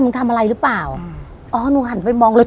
มึงทำอะไรรึเปล่าอ๋อโนหันไปมองเลย